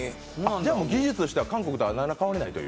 じゃあ技術は韓国と何ら変わらないという。